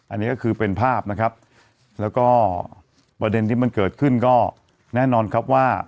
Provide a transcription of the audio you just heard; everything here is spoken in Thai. อันนี้ก็คือเป็นภาพนะครับแล้วก็ประเด็นที่มันเกิดขึ้นก็แน่นอนครับว่า